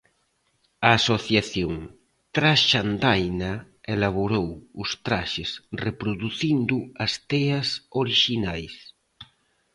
A asociación Traxandaina elaborou os traxes reproducindo as teas orixinais.